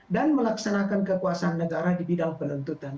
dan melaksanakan kekuasaan negara di bidang penuntutan